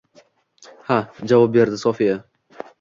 Ha, javob berdi Sofiya